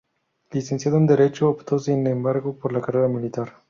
Licenciado en Derecho, optó sin embargo por la carrera militar.